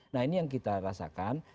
nah ini yang kita rasakan